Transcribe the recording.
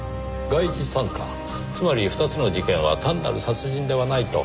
外事三課つまり２つの事件は単なる殺人ではないと？